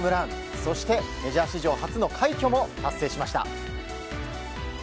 そして、メジャー史上初の快挙も達成しました。